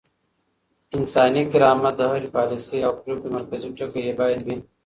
انساني کرامت د هرې پاليسۍ او پرېکړې مرکزي ټکی بايد وي.